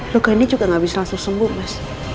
luka ini juga gak bisa langsung sembuh mas